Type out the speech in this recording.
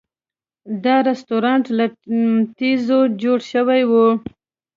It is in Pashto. دا رسټورانټ له تیږو جوړ شوی و.